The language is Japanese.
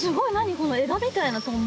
この枝みたいなトンボ。